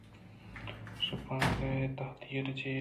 شپانک ءَ اے داں دیراں چے